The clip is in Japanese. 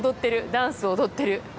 ダンスを踊ってる。